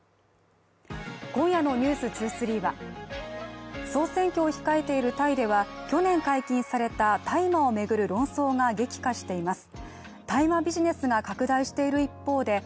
今夜の「ｎｅｗｓ２３」は総選挙を控えているタイでは去年解禁された大麻を巡る論争が激化しています。